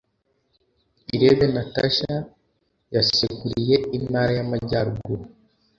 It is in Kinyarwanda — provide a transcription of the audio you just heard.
Irebe Natacha yaserukiye Intara y’Amajyaruguru